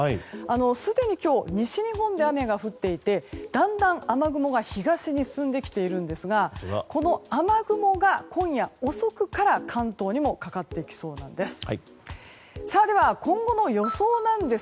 すでに今日西日本で雨が降っていてだんだん雨雲が東に進んできているんですがこの雨雲が今夜遅くから関東にもかかってきそうなんです。